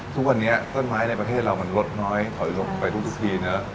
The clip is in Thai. ทุกวันนี้ต้นไม้ในประเทศเรามันลดน้อยถอยลงไปทุกทีนะ